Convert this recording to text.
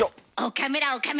岡村岡村！